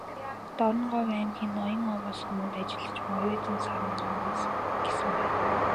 "Дорноговь аймгийн Ноён-Овоо суманд ажиллаж буй оюутан Сарангаа"с гэсэн байв.